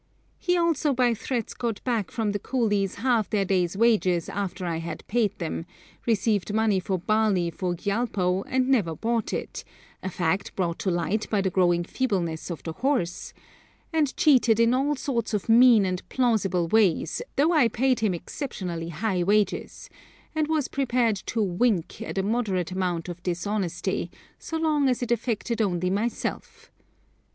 He also by threats got back from the coolies half their day's wages after I had paid them, received money for barley for Gyalpo, and never bought it, a fact brought to light by the growing feebleness of the horse, and cheated in all sorts of mean and plausible ways, though I paid him exceptionally high wages, and was prepared to 'wink' at a moderate amount of dishonesty, so long as it affected only myself.